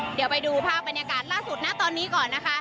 เดี๋ยวไปดูภาพบรรยากาศล่าสุดนะตอนนี้ก่อนนะคะ